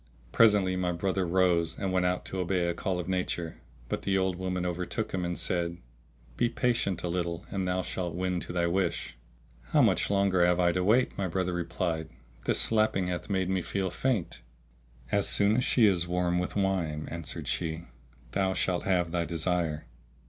Presently my brother rose and went out to obey a call of nature, but the old woman overtook him, and said, "Be patient a little and thou shalt win to thy wish." "How much longer have I to wait," my brother replied, "this slapping hath made me feel faint." "As soon as she is warm with wine," answered she, "thou shalt have thy desire."